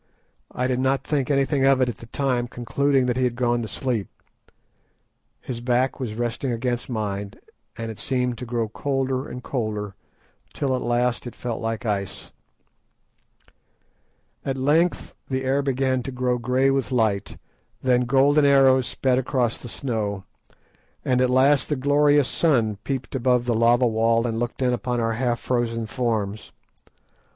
I did not think anything of it at the time, concluding that he had gone to sleep. His back was resting against mine, and it seemed to grow colder and colder, till at last it felt like ice. At length the air began to grow grey with light, then golden arrows sped across the snow, and at last the glorious sun peeped above the lava wall and looked in upon our half frozen forms.